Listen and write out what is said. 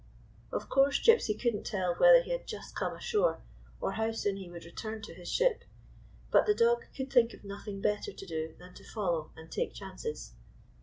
Of course, Gypsy could n't tell whether he had just come ashore or how soon he would return to his ship ; but the dog could think of nothing better to do than to follow and take chances.